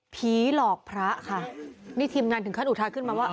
ผีหลอกพระค่ะนี่ทีมงานถึงขั้นอุทาขึ้นมาว่า